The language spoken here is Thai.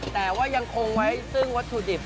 แต่ว่ายังคงไว้ซึ่งวัตถุดิบ